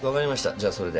じゃあそれで。